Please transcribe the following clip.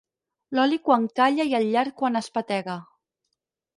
L'oli quan calla i el llard quan espetega.